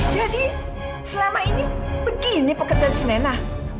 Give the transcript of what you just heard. jadi selama ini begini pekerjaan si nena